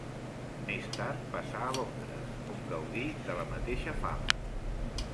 Més tard passà a Londres, on gaudí de la mateixa fama.